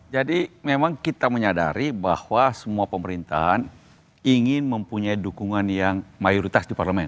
jadi memang kita menyadari bahwa semua pemerintahan ingin mempunyai dukungan yang mayoritas di parlemen